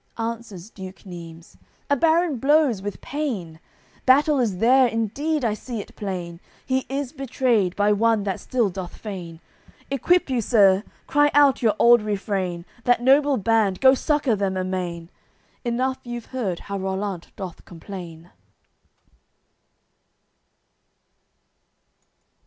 Answers Duke Neimes: "A baron blows with pain! Battle is there, indeed I see it plain, He is betrayed, by one that still doth feign. Equip you, sir, cry out your old refrain, That noble band, go succour them amain! Enough you've heard how Rollant doth complain."